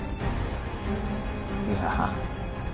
いや。